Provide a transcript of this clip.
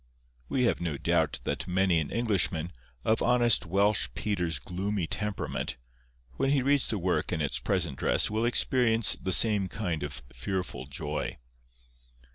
We have no doubt that many an Englishman, of honest Welsh Peter's gloomy temperament, when he reads the work in its present dress will experience the same kind of fearful joy.